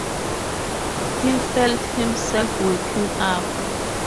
He felt himself waking up.